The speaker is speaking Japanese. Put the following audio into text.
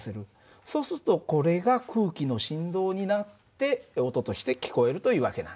そうするとこれが空気の振動になって音として聞こえるという訳なんだ。